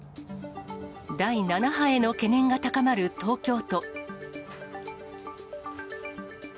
第７波への懸念が高まる東京都。